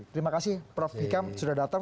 terima kasih prof hikam sudah datang